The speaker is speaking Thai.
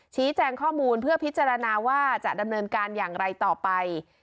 ชี้แจงข้อมูลเพื่อพิจารณาว่าจะดำเนินการอย่างไรต่อไป